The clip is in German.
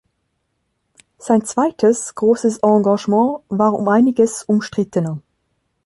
Sein zweites großes Engagement war um einiges umstrittener.